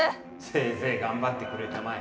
せいぜい頑張ってくれたまえ。